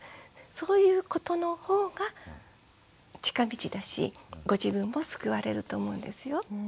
そういうことの方が近道だしご自分も救われると思うんですよ。